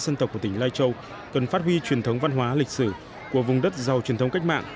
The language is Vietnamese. dân tộc của tỉnh lai châu cần phát huy truyền thống văn hóa lịch sử của vùng đất giàu truyền thống cách mạng